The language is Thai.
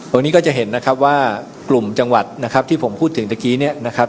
วันนี้ก็จะเห็นนะครับว่ากลุ่มจังหวัดนะครับที่ผมพูดถึงตะกี้เนี่ยนะครับ